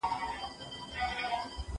خوشحال خټک د وېرولو عاقبت ته متوجه و.